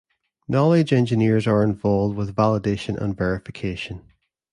Knowledge engineers are involved with validation and verification.